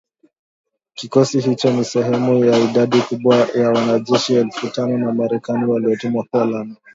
Kikosi hicho ni sehemu ya idadi kubwa ya wanajeshi elfu tano wa Marekani waliotumwa Poland